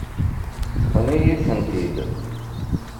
Ṭṭfen-iyi-tent-id.